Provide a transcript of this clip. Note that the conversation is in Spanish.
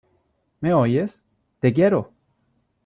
¿ me oyes ?¡ te quiero !